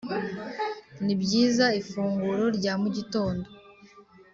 nibyiza ifunguro rya mugitondo